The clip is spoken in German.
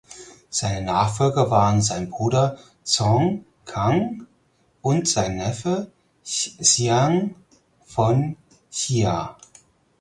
Seine Nachfolger waren sein Bruder Zhong Kang und sein Neffe Xiang von Xia.